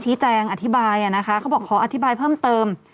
ชี้แจงอธิบายนะคะเขาบอกขออธิบายเพิ่มเติม